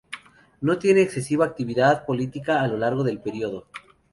No tiene excesiva actividad política a lo largo del período.